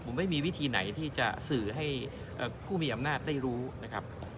ผมไม่มีวิธีไหนที่จะสื่อให้ผู้มีอำนาจได้รู้นะครับ